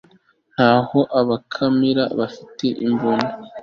Naho Abakamina bafite imbunda